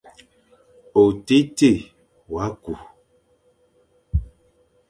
Otiti wa kü,